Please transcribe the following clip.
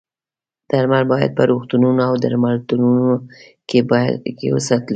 درمل باید په روغتونونو او درملتونونو کې وساتل شي.